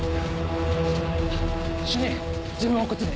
主任自分はこっちに。